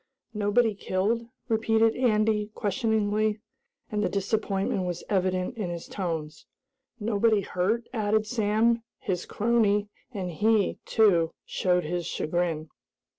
"Nobody killed?" repeated Andy questioningly, and the disappointment was evident in his tones. "Nobody hurt?" added Sam, his crony, and he, too, showed his chagrin.